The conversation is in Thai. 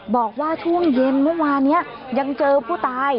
บอกว่าช่วงเย็นเมื่อวานนี้ยังเจอผู้ตาย